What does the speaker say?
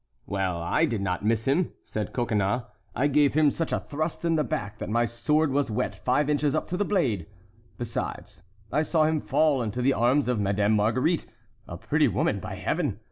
"Well, I did not miss him," added Coconnas; "I gave him such a thrust in the back that my sword was wet five inches up the blade. Besides, I saw him fall into the arms of Madame Marguerite, a pretty woman, by Heaven!